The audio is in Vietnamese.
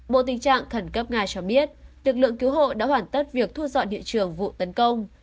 bộ tình trạng khẩn cấp nga cho biết lực lượng cứu hộ đã hoàn tất việc thu dọn địa trường vụ tấn công